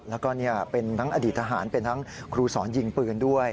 แล้วก็เป็นทั้งอดีตทหารเป็นทั้งครูสอนยิงปืนด้วย